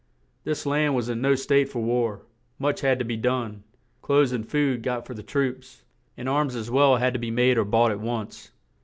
This land was in no state for war; much had to be done; clothes and food got for the troops; and arms as well had to be made or bought at once.